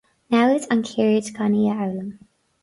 Namhaid an cheird gan í a fhoghlaim.